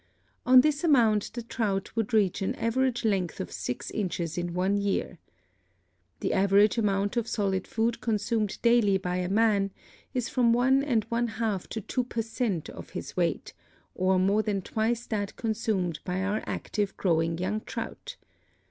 On this amount the trout would reach an average length of six inches in one year. The average amount of solid food consumed daily by a man is from one and one half to two per cent of his weight, or more than twice that consumed by our active, growing young trout.